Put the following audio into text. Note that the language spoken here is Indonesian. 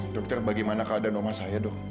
dokter bagaimana keadaan omah saya dong